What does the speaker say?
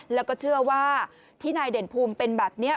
แล้วก็เชื่อว่าที่นายเด่นภูมิเป็นแบบนี้